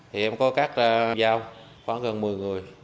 thì em có cắt ra giao khoảng gần một mươi người